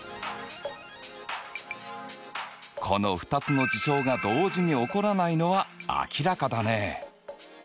この２つの事象が同時に起こらないのは明らかだね！